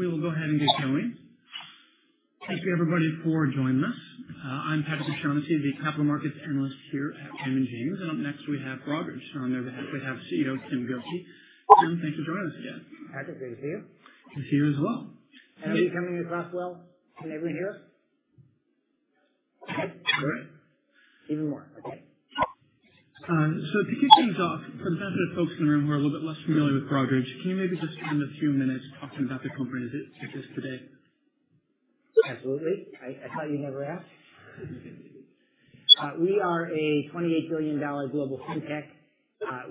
We will go ahead and get going. Thank you, everybody, for joining us. I'm Patrick O'Shaughnessy, the Capital Markets Analyst here at Raymond James. And up next, we have Broadridge. And on their behalf, we have CEO Tim Gokey. Tim, thanks for joining us again. Patrick, great to see you. Good to see you as well. Am I coming across well? Can everyone hear us? Yep. Great. Even more. Okay. So to kick things off, for the benefit of folks in the room who are a little bit less familiar with Broadridge, can you maybe just spend a few minutes talking about the company as it exists today? Absolutely. I thought you'd never ask. We are a $28 billion global fintech.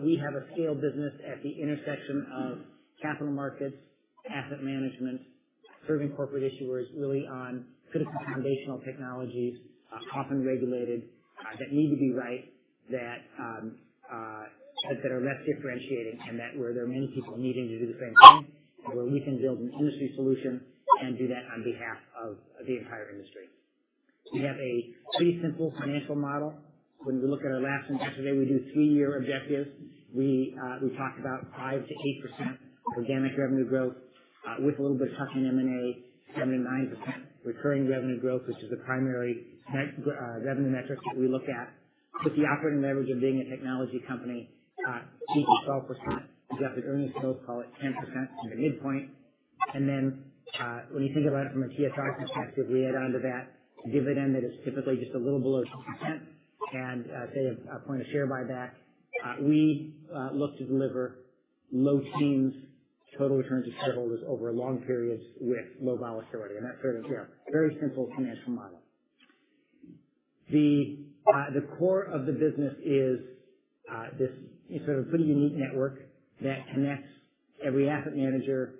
We have a scale business at the intersection of capital markets, asset management, serving corporate issuers, really on critical foundational technologies, often regulated, that need to be right, that are less differentiating, and that where there are many people needing to do the same thing, where we can build an industry solution and do that on behalf of the entire industry. We have a pretty simple financial model. When we look at our last index today, we do three-year objectives. We talked about 5% to 8% organic revenue growth with a little bit of tuck-in M&A, 7% to 9% recurring revenue growth, which is the primary revenue metric that we look at. With the operating leverage of being a technology company, 8% to 12%. We've got the earnings growth, call it 10% in the midpoint. And then when you think about it from a TSR perspective, we add on to that dividend that is typically just a little below 2%, and say a point of share buyback. We look to deliver low teens total returns to shareholders over long periods with low volatility. And that's sort of a very simple financial model. The core of the business is this sort of pretty unique network that connects every asset manager,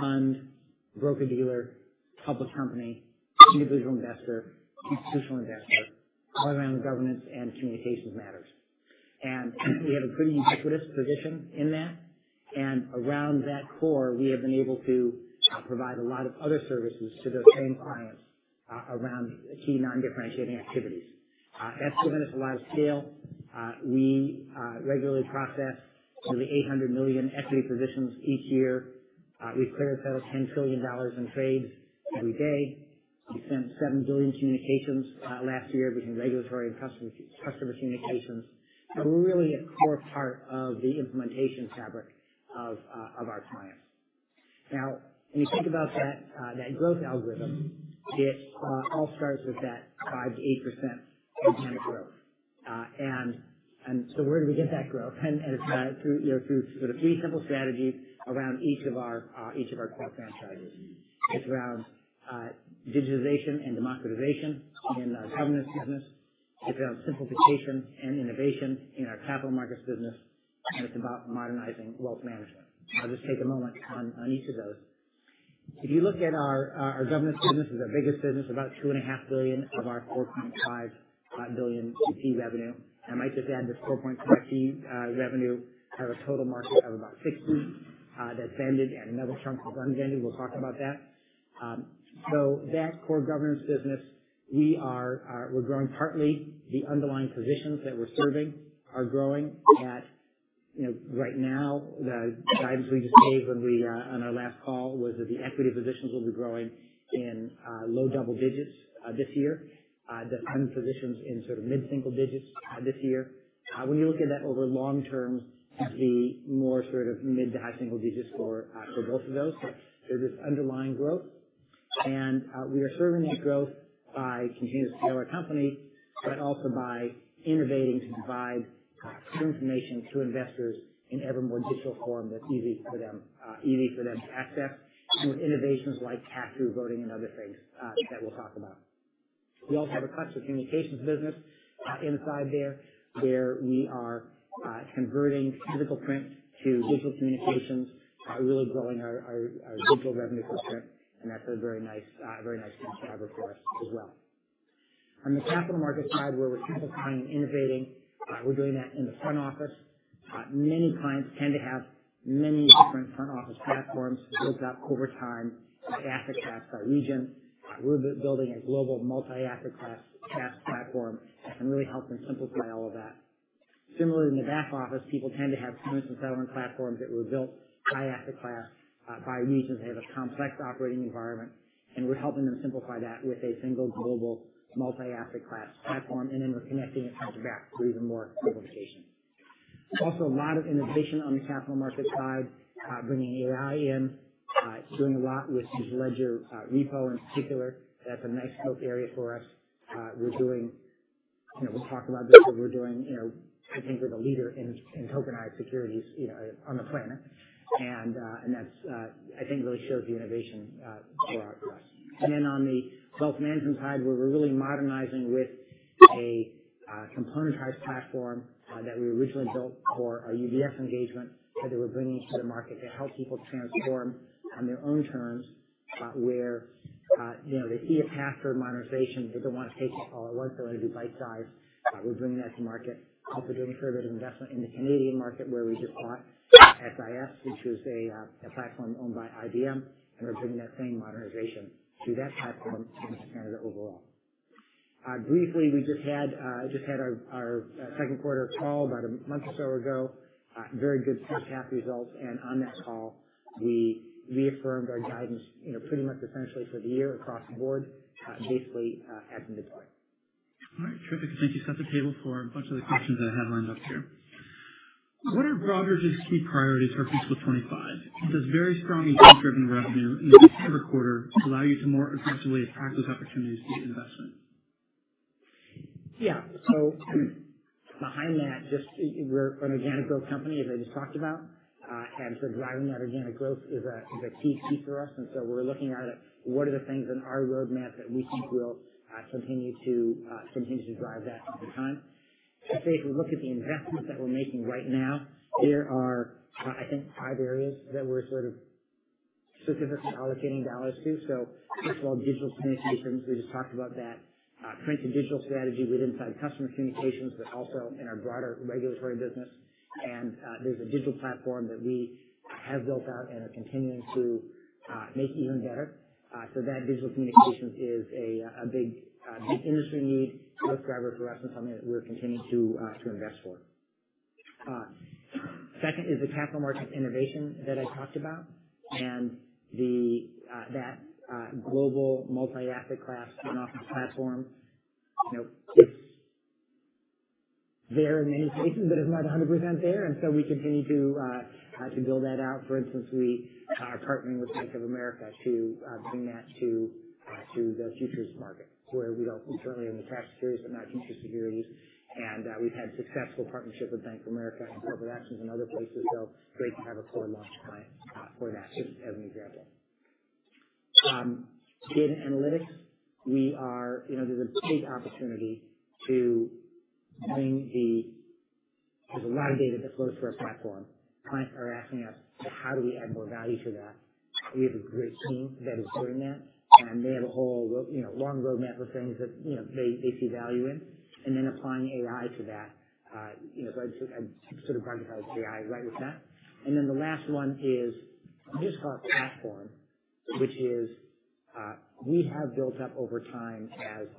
fund, broker-dealer, public company, individual investor, institutional investor, all around governance and communications matters. And we have a pretty ubiquitous position in that. And around that core, we have been able to provide a lot of other services to those same clients around key non-differentiating activities. That's given us a lot of scale. We regularly process nearly 800 million equity positions each year. We've cleared a total of $10 trillion in trades every day. We sent 7 billion communications last year between regulatory and customer communications. So we're really a core part of the implementation fabric of our clients. Now, when you think about that growth algorithm, it all starts with that 5% to 8% organic growth. And so where do we get that growth? And it's through sort of three simple strategies around each of our core franchises. It's around digitization and democratization in our governance business. It's around simplification and innovation in our capital markets business. And it's about modernizing wealth management. I'll just take a moment on each of those. If you look at our governance business, it's our biggest business, about $2.5 billion of our $4.5 billion revenue. I might just add this $4.5 billion revenue has a total market of about $60 billion that's vended and another chunk that's unvended. We'll talk about that, so that core governance business, we're growing partly. The underlying positions that we're serving are growing at right now. The guidance we just gave on our last call was that the equity positions will be growing in low double digits this year. The fund positions in sort of mid-single digits this year. When you look at that over long term, it's the more sort of mid to high single digits for both of those. There's this underlying growth, and we are serving that growth by continuing to scale our company, but also by innovating to provide true information to investors in ever more digital form that's easy for them to access, and with innovations like pass-through voting and other things that we'll talk about. We also have a customer communications business inside there where we are converting physical print to digital communications, really growing our digital revenue footprint. And that's a very nice piece of fabric for us as well. On the capital markets side, where we're simplifying and innovating, we're doing that in the front office. Many clients tend to have many different front office platforms built up over time with asset class by region. We're building a global multi-asset class platform that can really help them simplify all of that. Similarly, in the back office, people tend to have two-instance settlement platforms that were built by asset class by regions. They have a complex operating environment. And we're helping them simplify that with a single global multi-asset class platform. And then we're connecting it front to back through even more simplification. Also, a lot of innovation on the capital markets side, bringing AI in. It's doing a lot with Distributed Ledger Repo in particular. That's a nice growth area for us. We're doing. We talked about this, but I think we're the leader in tokenized securities on the planet. And that's, I think, really shows the innovation for us. And then on the wealth management side, we're really modernizing with a componentized platform that we originally built for our UBS engagement that we're bringing to the market to help people transform on their own terms, where they see a path toward modernization. They don't want to take it all at once. They want to do bite-sized. We're bringing that to market. Also, doing a fair bit of investment in the Canadian market where we just bought SIS, which was a platform owned by IBM. We're bringing that same modernization through that platform into Canada overall. Briefly, we just had our second quarter call about a month or so ago. Very good first half results. On that call, we reaffirmed our guidance pretty much essentially for the year across the board, basically at the midpoint. All right. Terrific. Thank you, we've set the table for a bunch of the questions that I had lined up here. What are Broadridge's key priorities for fiscal 2025? Does very strong ETF-driven revenue in the December quarter allow you to more effectively attract those opportunities to investment? Yeah. So behind that, just, we're an organic growth company, as I just talked about. And so driving that organic growth is a key for us. And so we're looking at what are the things in our roadmap that we think will continue to drive that over time. I'd say if we look at the investments that we're making right now, there are, I think, five areas that we're sort of specifically allocating dollars to. So first of all, digital communications. We just talked about that printed digital strategy within Customer Communications, but also in our broader regulatory business. And there's a digital platform that we have built out and are continuing to make even better. So that digital communications is a big industry need, growth driver for us, and something that we're continuing to invest for. Second is the capital markets innovation that I talked about and that global multi-asset class front office platform. It's there in many places, but it's not 100% there. And so we continue to build that out. For instance, we are partnering with Bank of America to bring that to the futures market, where we don't currently own the cash series, but now futures securities. And we've had successful partnership with Bank of America and corporate actions in other places. So great to have a core launch client for that, just as an example. Data analytics, there's a big opportunity. There's a lot of data that flows through our platform. Clients are asking us, "How do we add more value to that?" We have a great team that is doing that. And they have a whole long roadmap of things that they see value in. And then, applying AI to that, so I sort of broadcast AI right with that. And then, the last one is just our platform, which is we have built up over time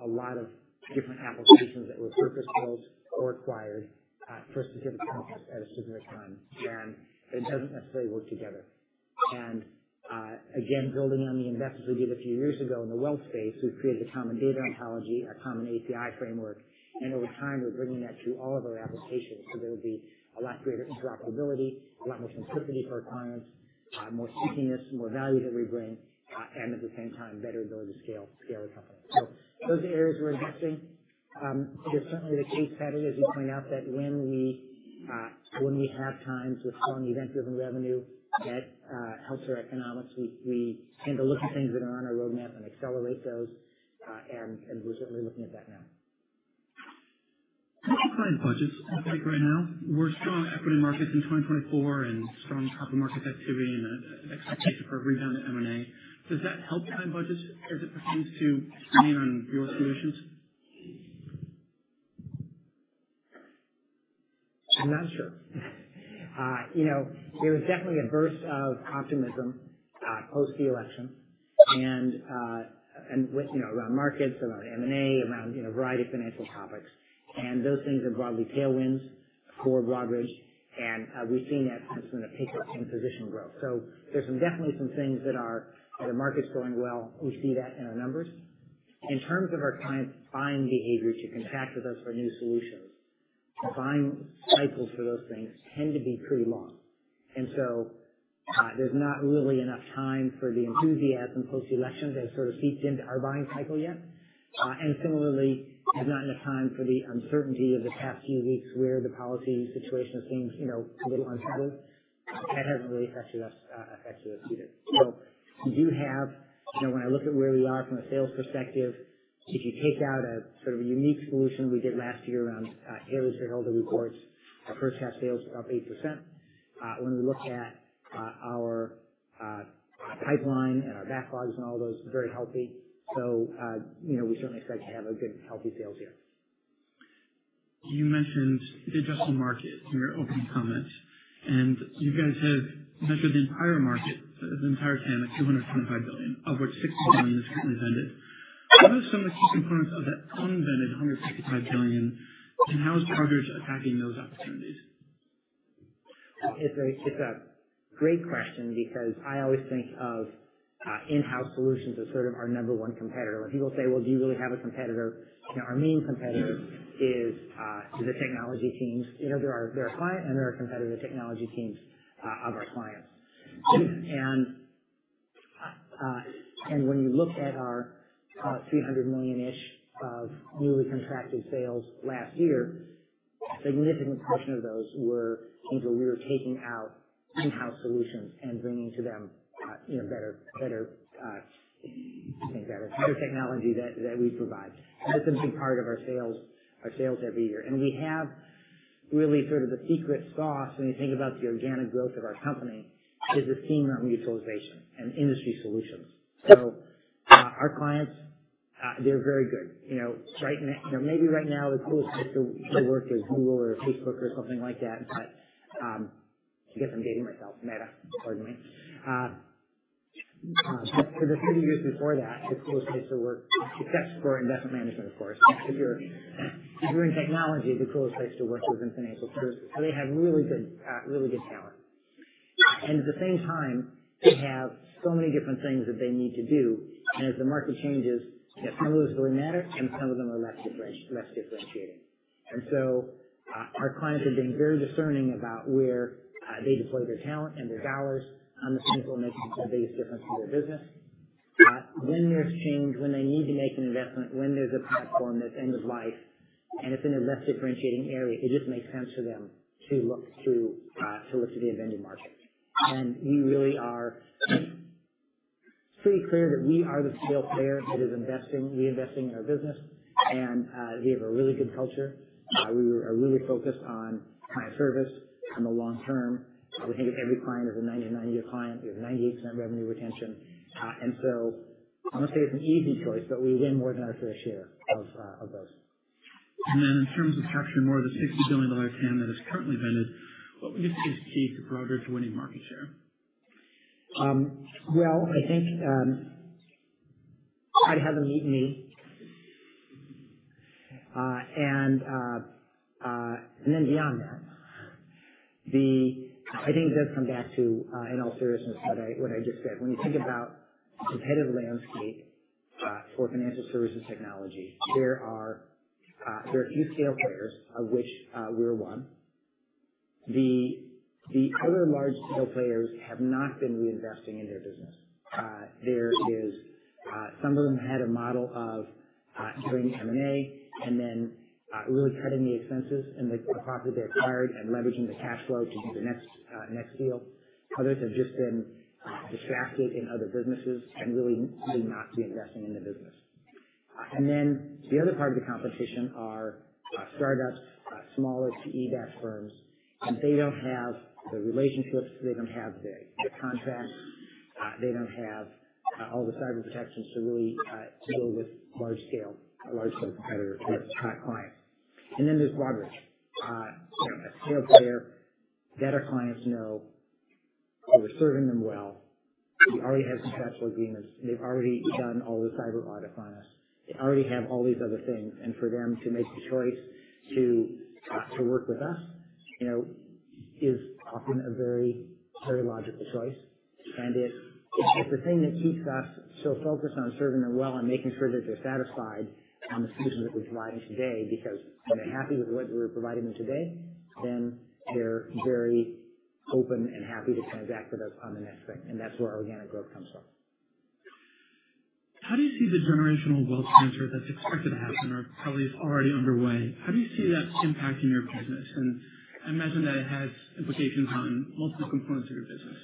a lot of different applications that were purpose-built or acquired for a specific purpose at a specific time. And it doesn't necessarily work together. And again, building on the investments we did a few years ago in the wealth space, we've created a common data ontology, a common API framework. And over time, we're bringing that to all of our applications so there will be a lot greater interoperability, a lot more simplicity for our clients, more stickiness, more value that we bring, and at the same time, better ability to scale the company. So those are the areas we're investing. There's certainly the case study, as you point out, that when we have times with strong event-driven revenue that helps our economics, we tend to look at things that are on our roadmap and accelerate those, and we're certainly looking at that now. How do client budgets look like right now? With strong equity markets in 2024 and strong capital markets activity and expectation for a rebound in M&A. Does that help client budgets as it pertains to staying on your solutions? I'm not sure. There was definitely a burst of optimism post-election and around markets, around M&A, around a variety of financial topics. And those things are broadly tailwinds for Broadridge. And we've seen that since we're going to pick up in position growth. So there's definitely some things that are, the market's going well. We see that in our numbers. In terms of our clients' buying behavior to contract with us for new solutions, the buying cycles for those things tend to be pretty long. And so there's not really enough time for the enthusiasm post-election that has sort of seeped into our buying cycle yet. And similarly, there's not enough time for the uncertainty of the past few weeks where the policy situation seems a little unsettled. That hasn't really affected us either. So we do have, when I look at where we are from a sales perspective, if you take out a sort of a unique solution we did last year around Tailored Shareholder Reports, our first-half sales were up 8%. When we look at our pipeline and our backlogs and all those, very healthy. So we certainly expect to have a good, healthy sales year. You mentioned the adjusted market in your opening comments. And you guys have measured the entire market, the entire TAM at $225 billion, of which $60 billion is currently vended. What are some of the key components of that unvended $165 billion? And how is Broadridge attacking those opportunities? It's a great question because I always think of in-house solutions as sort of our number one competitor. When people say, "Well, do you really have a competitor?" Our main competitor is the technology teams. There are client and there are competitor technology teams of our clients. And when you look at our $300 million-ish of newly contracted sales last year, a significant portion of those were things where we were taking out in-house solutions and bringing to them better technology that we provide. That's a big part of our sales every year. And we have really sort of the secret sauce when you think about the organic growth of our company is the theme around utilization and industry solutions. So our clients, they're very good. Maybe right now, the coolest place to work is Google or Facebook or something like that. But I guess I'm dating myself. Meta, pardon me, but for the three years before that, the coolest place to work, except for investment management, of course. If you're in technology, the coolest place to work is in financial services, so they have really good talent, and at the same time, they have so many different things that they need to do, and as the market changes, some of those really matter, and some of them are less differentiating, and so our clients are being very discerning about where they deploy their talent and their dollars on the things that will make the biggest difference to their business. When there's change, when they need to make an investment, when there's a platform that's end-of-life and it's in a less differentiating area, it just makes sense for them to look to the event market. And we really are pretty clear that we are the sales player that is investing, reinvesting in our business. And we have a really good culture. We are really focused on client service in the long term. We think of every client as a 99-year client. We have 98% revenue retention. And so I'm going to say it's an easy choice, but we win more than our fair share of those. In terms of capturing more of the $60 billion TAM that is currently unpenetrated, what would you think is key to Broadridge winning market share? I think try to have them meet me. Then beyond that, I think it does come back to, in all seriousness, what I just said. When you think about the competitive landscape for financial services technology, there are a few scale players, of which we're one. The other large scale players have not been reinvesting in their business. Some of them had a model of doing M&A and then really cutting the expenses and the profit they acquired and leveraging the cash flow to do the next deal. Others have just been distracted in other businesses and really not reinvesting in the business. Then the other part of the competition are startups, smaller PE-backed firms. They don't have the relationships. They don't have the contracts. They don't have all the cyber protections to really deal with large-scale competitors, large clients. And then there's Broadridge, a scale player that our clients know. We're serving them well. We already have contractual agreements. They've already done all the cyber audits on us. They already have all these other things. And for them to make the choice to work with us is often a very logical choice. And it's the thing that keeps us so focused on serving them well and making sure that they're satisfied on the solutions that we're providing today because when they're happy with what we're providing them today, then they're very open and happy to transact with us on the next thing. And that's where our organic growth comes from. How do you see the generational wealth transfer that's expected to happen or probably is already underway? How do you see that impacting your business? And I imagine that it has implications on multiple components of your business.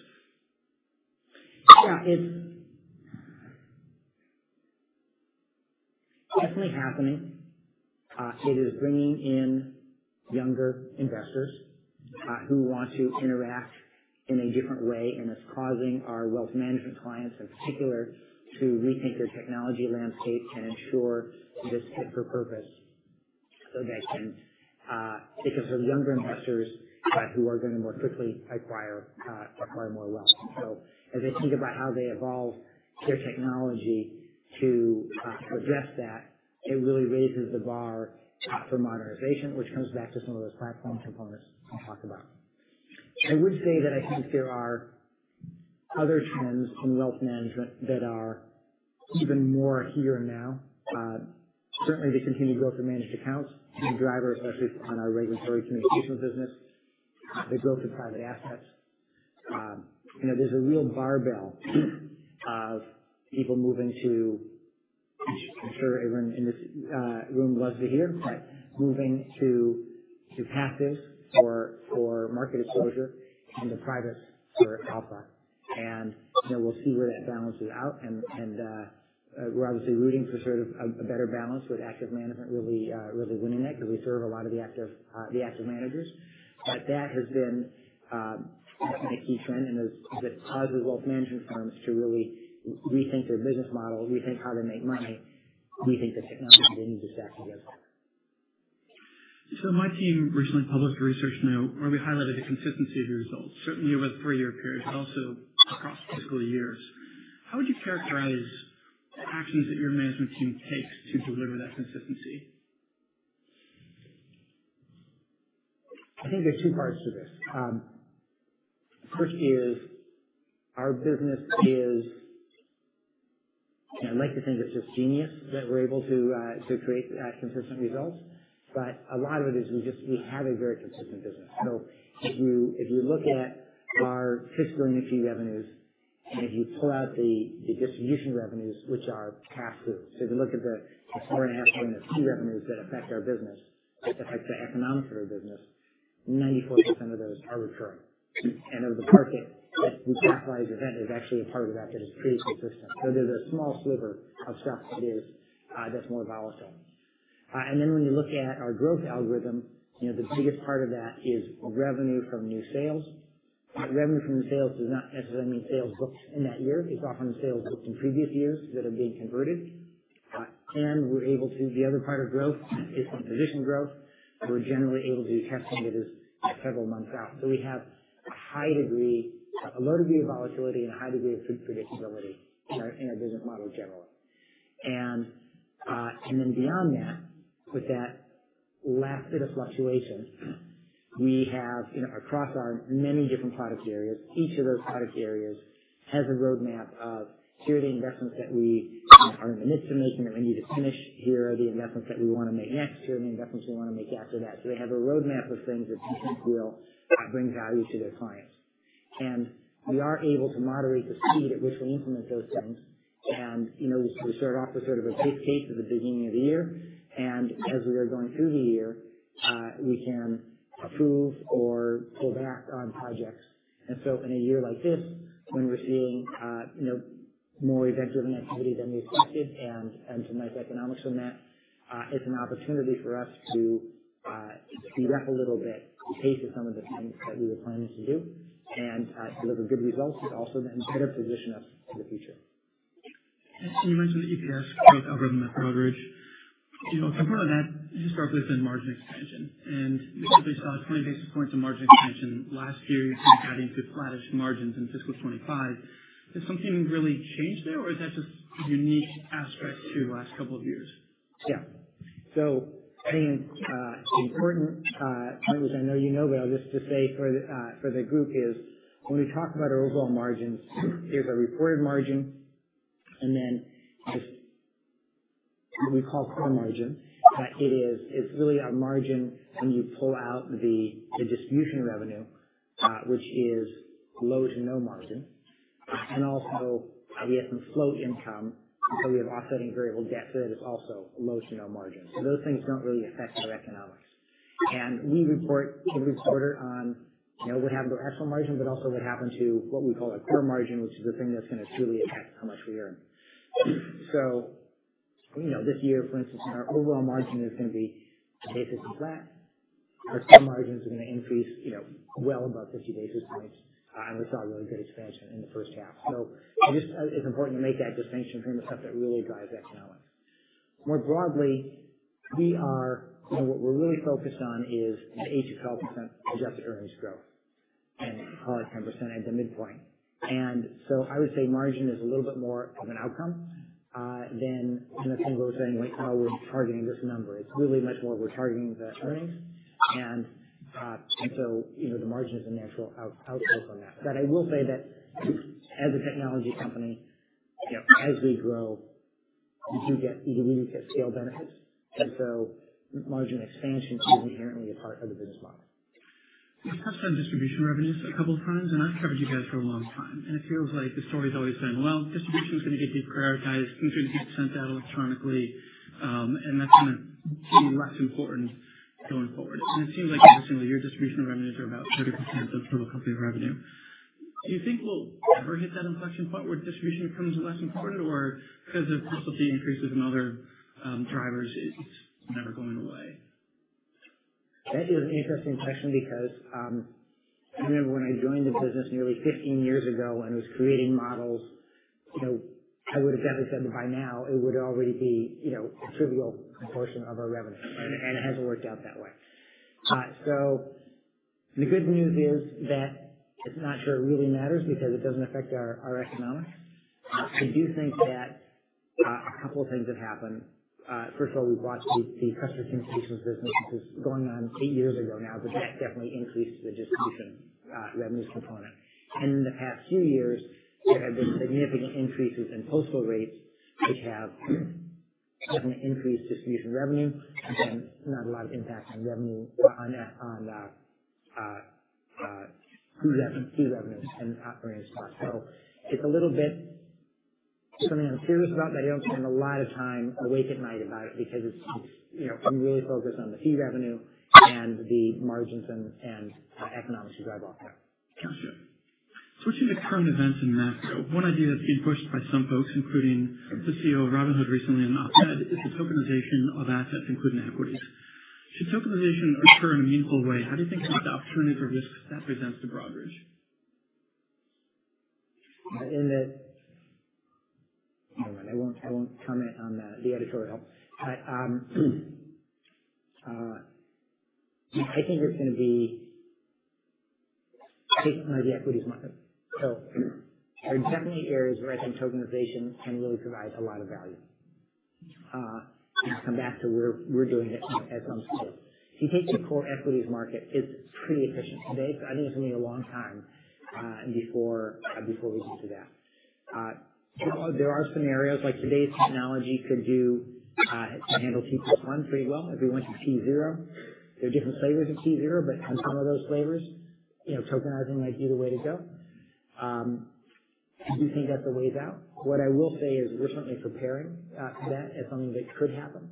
Yeah. It's definitely happening. It is bringing in younger investors who want to interact in a different way. And it's causing our wealth management clients, in particular, to rethink their technology landscape and ensure this fits their purpose so that they can serve younger investors who are going to more quickly acquire more wealth. So as they think about how they evolve their technology to address that, it really raises the bar for modernization, which comes back to some of those platform components I talked about. I would say that I think there are other trends in wealth management that are even more here and now. Certainly, the continued growth of managed accounts is a driver, especially on our regulatory communications business. The growth of private assets. There's a real barbell of people moving to, I'm sure everyone in this room loves to hear, but moving to passives for market exposure and the privates for alpha. And we'll see where that balances out. And we're obviously rooting for sort of a better balance with active management really winning that because we serve a lot of the active managers. But that has been a key trend. And it causes wealth management firms to really rethink their business model, rethink how they make money, rethink the technology they need to stack together. So my team recently published a research note where we highlighted the consistency of your results, certainly over the three-year period, but also across fiscal years. How would you characterize the actions that your management team takes to deliver that consistency? I think there's two parts to this. First is our business is, and I'd like to think it's just genius that we're able to create consistent results. But a lot of it is we have a very consistent business. So if you look at our recurring revenues, and if you pull out the distribution revenues, which are passive. So if you look at the $4.5 billion of recurring revenues that affect our business, that affect the economics of our business, 94% of those are recurring. And of the part that we call event is actually a part of that that is pretty consistent. So there's a small sliver of stuff that's more volatile. And then when you look at our growth algorithm, the biggest part of that is revenue from new sales. But revenue from new sales does not necessarily mean sales booked in that year. It's often sales booked in previous years that are being converted. And we're able to, the other part of growth is some position growth. We're generally able to do testing that is several months out. So we have a high degree, a low degree of volatility, and a high degree of predictability in our business model generally. And then beyond that, with that last bit of fluctuation, we have across our many different product areas, each of those product areas has a roadmap of, "Here are the investments that we are in the midst of making that we need to finish. Here are the investments that we want to make next. Here are the investments we want to make after that." So they have a roadmap of things that we'll bring value to their clients. And we are able to moderate the speed at which we implement those things. And we start off with sort of a business case at the beginning of the year. And as we are going through the year, we can approve or pull back on projects. And so in a year like this, when we're seeing more event-driven activity than we expected and some nice economics from that, it's an opportunity for us to speed up a little bit, pace some of the things that we were planning to do, and deliver good results, but also then better position us for the future. You mentioned the EPS growth algorithm at Broadridge. A component of that historically has been margin expansion. They saw 20 basis points of margin expansion last year, adding to flatish margins in fiscal 2025. Has something really changed there, or is that just a unique aspect to the last couple of years? Yeah. So I think an important point, which I know you know, but I'll just say for the group, is when we talk about our overall margins, there's a reported margin, and then there's what we call core margin. It's really a margin when you pull out the distribution revenue, which is low to no margin. And also, we have some float income. So we have offsetting variable debt, so that is also low to no margin. So those things don't really affect our economics. And we report every quarter on what happened to our actual margin, but also what happened to what we call our core margin, which is the thing that's going to truly affect how much we earn. So this year, for instance, our overall margin is going to be basis and flat. Our core margin is going to increase well above 50 basis points. We saw really good expansion in the first half. It's important to make that distinction between the stuff that really drives economics. More broadly, what we're really focused on is the 8% to 12% adjusted earnings growth, and probably 10% at the midpoint. I would say margin is a little bit more of an outcome than a thing where we're saying, "Well, we're targeting this number." It's really much more we're targeting the earnings. The margin is a natural outcome from that. I will say that as a technology company, as we grow, we do get scale benefits. Margin expansion is inherently a part of the business model. We've touched on distribution revenues a couple of times, and I've covered you guys for a long time, and it feels like the story's always been, "Well, distribution is going to get deprioritized. Things are going to be sent out electronically," and that's going to be less important going forward, and it seems like every single year, distribution revenues are about 30% of total company revenue. Do you think we'll ever hit that inflection point where distribution becomes less important, or because of capital fee increases and other drivers, it's never going away? That is an interesting question because I remember when I joined the business nearly 15 years ago and was creating models. I would have definitely said that by now, it would already be a trivial proportion of our revenue. And it hasn't worked out that way. So the good news is that it's not sure it really matters because it doesn't affect our economics. I do think that a couple of things have happened. First of all, we've lost the customer communications business, which was going on eight years ago now, but that definitely increased the distribution revenues component. And in the past few years, there have been significant increases in postal rates, which have definitely increased distribution revenue, but not a lot of impact on revenue, on fee revenues and operating expenses. So it's a little bit something I'm serious about, but I don't spend a lot of time awake at night about it because it's really focused on the fee revenue and the margins and economics to drive all that. Gotcha. Switching to current events in macro, one idea that's been pushed by some folks, including the CEO of Robinhood recently in an op-ed, is the tokenization of assets, including equities. Should tokenization occur in a meaningful way, how do you think about the alternative risks that presents to Broadridge? I won't comment on the editorial. I think it's going to be taking some of the equities market, so there are definitely areas where I think tokenization can really provide a lot of value, and to come back to where we're doing it at some stage, if you take the core equities market, it's pretty efficient. I think it's going to be a long time before we get to that. There are scenarios like today's technology could handle T+1 pretty well if we went to T0. There are different flavors of T0, but on some of those flavors, tokenizing might be the way to go. I do think that's a ways out. What I will say is we're certainly preparing for that. It's something that could happen,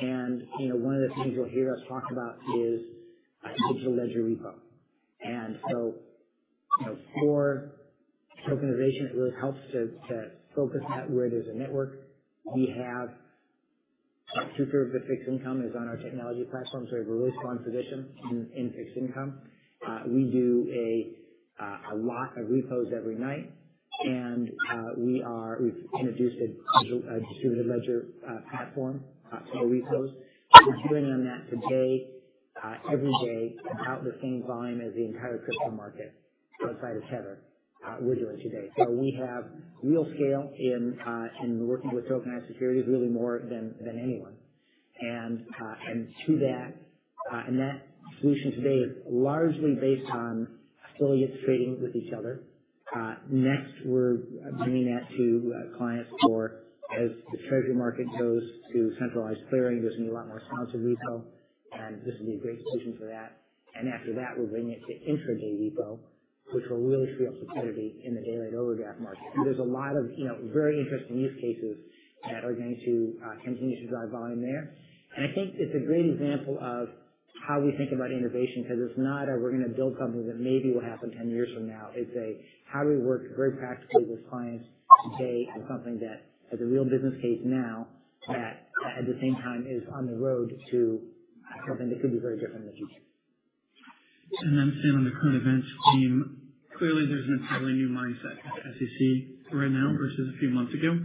and one of the things you'll hear us talk about is a distributed ledger repo. And so, for tokenization, it really helps to focus at where there's a network. We have two-thirds of the fixed income is on our technology platform, so we have a really strong position in fixed income. We do a lot of repos every night. And we've introduced a distributed ledger platform for repos. We're doing on that today, every day, about the same volume as the entire crypto market outside of Tether, we're doing today. So we have real scale in working with tokenized securities, really more than anyone. And to that, and that solution today is largely based on affiliates trading with each other. Next, we're bringing that to clients for, as the treasury market goes to centralized clearing, there's going to be a lot more sponsored repo. And this will be a great solution for that. And after that, we're bringing it to intraday repo, which will really free up liquidity in the daylight overdraft market. So there's a lot of very interesting use cases that are going to continue to drive volume there. And I think it's a great example of how we think about innovation because it's not a, "We're going to build something that maybe will happen 10 years from now." It's a, "How do we work very practically with clients today on something that has a real business case now that at the same time is on the road to something that could be very different in the future? I'm seeing on the current events team, clearly there's an entirely new mindset at SEC right now versus a few months ago.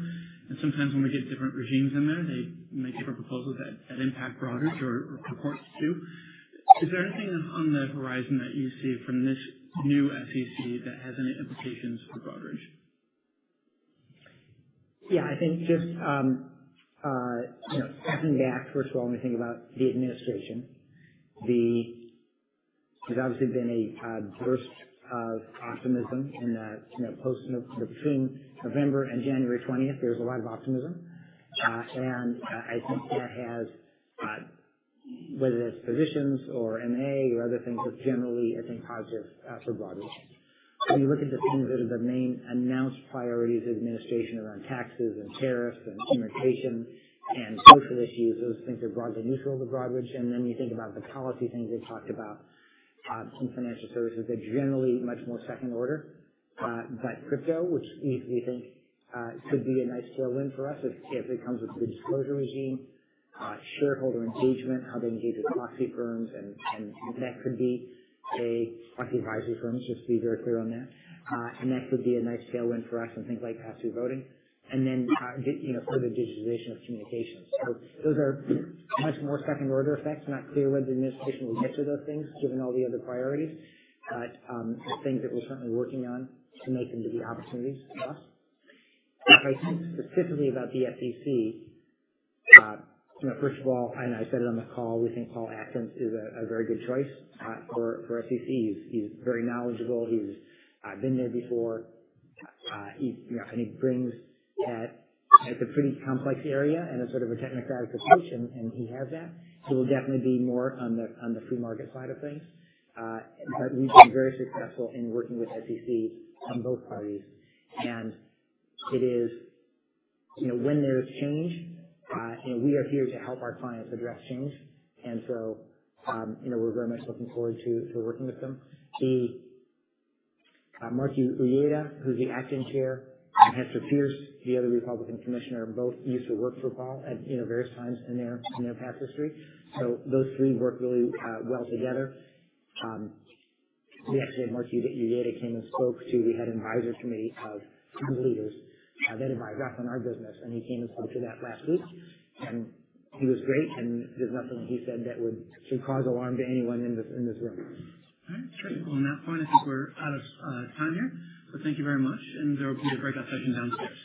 Sometimes when we get different regimes in there, they may give a proposal that impacts Broadridge or reports too. Is there anything on the horizon that you see from this new SEC that has any implications for Broadridge? Yeah. I think just stepping back, first of all, when we think about the administration, there's obviously been a burst of optimism in the post between November and January 20th. There's a lot of optimism. And I think that has, whether that's positions or M&A or other things, that's generally, I think, positive for Broadridge. When you look at the things that are the main announced priorities of the administration around taxes and tariffs and immigration and social issues, those things are broadly neutral to Broadridge. And then you think about the policy things they've talked about, some financial services that are generally much more second order. But crypto, which we think could be a nice tailwind for us if it comes with the disclosure regime, shareholder engagement, how they engage with proxy firms. And that could be a proxy advisory firm, just to be very clear on that. And that could be a nice tailwind for us in things like pass-through voting. And then further digitization of communications. So those are much more second order effects. Not clear whether the administration will get to those things, given all the other priorities, but things that we're certainly working on to make them to be opportunities for us. If I think specifically about the SEC, first of all, and I said it on the call, we think Paul Atkins is a very good choice for SEC. He's very knowledgeable. He's been there before. And he brings that. It's a pretty complex area and it's sort of a technocratic approach, and he has that. He will definitely be more on the free market side of things. But we've been very successful in working with SEC on both parties. It is when there's change, we are here to help our clients address change. And so we're very much looking forward to working with them. Then Mark Uyeda, who's the acting chair, and Hester Peirce, the other Republican commissioner, both used to work for Paul at various times in their past history. So those three work really well together. We actually had Mark Uyeda came and spoke to the head advisory committee of leaders that advise us on our business. And he came and spoke to that last week. And he was great. And there's nothing he said that would cause alarm to anyone in this room. All right. Terrific. Well, on that point, I think we're out of time here. But thank you very much. And there will be a breakout session downstairs.